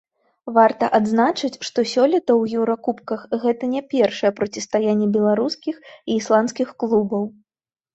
Варта адзначыць, што сёлета ў еўракубках гэта не першае процістаянне беларускіх і ісландскіх клубаў.